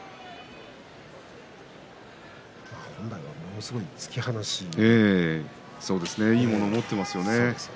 本来はものすごい突き放しを持っていますよね。